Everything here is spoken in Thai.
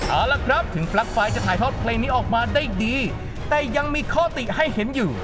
เอาละครับถึงปลั๊กไฟจะถ่ายทอดเพลงนี้ออกมาได้ดีแต่ยังมีข้อติให้เห็นอยู่